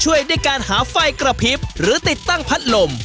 ด้วยการหาไฟกระพริบหรือติดตั้งพัดลม